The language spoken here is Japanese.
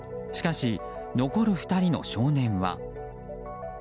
しかし、残る２人の少年は。